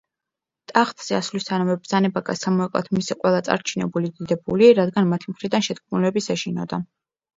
ტახტზე ასვლისთანავე ბრძანება გასცა მოეკლათ მისი ყველა წარჩინებული დიდებული, რადგან მათი მხრიდან შეთქმულების ეშინოდა.